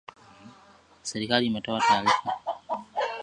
Serikali imetoa taarifa